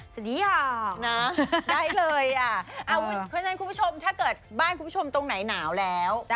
สดีหรอได้เลยอะถ้าเกิดบ้านคุณผู้ชมตรงไหนหนาวแล้ว